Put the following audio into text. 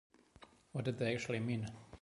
What did that actually mean?